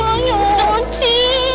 sausin semua nyuci